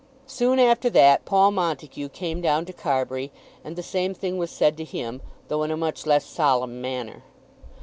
Soon after that, Paul Montague came down to Carbury, and the same thing was said to him, though in a much less solemn manner.